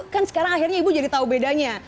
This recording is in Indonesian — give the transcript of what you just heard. kan sekarang akhirnya ibu jadi tahu bedanya